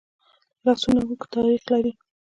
لاسونه اوږد تاریخ لري